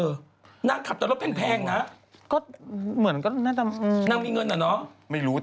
อีบ๊ายคืออันลิสต์